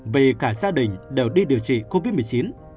vì cả gia đình đều đi điều trị covid một mươi chín